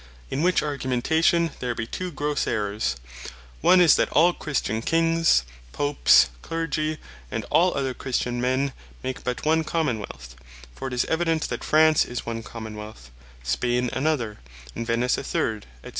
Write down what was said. In which Argumentation there be two grosse errours: one is, that all Christian Kings, Popes, Clergy, and all other Christian men, make but one Common wealth: For it is evident that France is one Common wealth, Spain another, and Venice a third, &c.